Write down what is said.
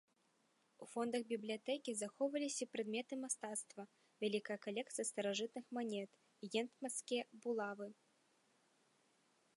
У фондах бібліятэкі захоўваліся і прадметы мастацтва, вялікая калекцыя старажытных манет, гетманскія булавы.